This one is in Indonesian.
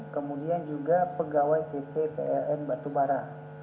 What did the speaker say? kemudian juga pegawai pt pln batubara